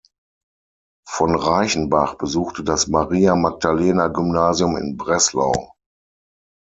Von Reichenbach besuchte das Maria-Magdalena-Gymnasium in Breslau.